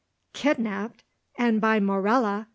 "Kidnapped! and by Morella!"